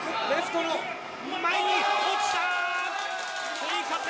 追加点！